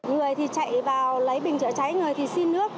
người thì chạy vào lấy bình chữa cháy người thì xin nước